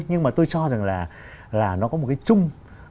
nhưng mà tôi cho rằng là nó có một cái chung